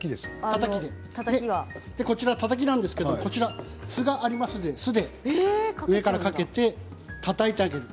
こちらはたたきなんですけれども酢がありますから上からかけて、たたいてやる。